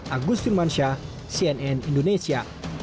agustin mansyah cnn indonesia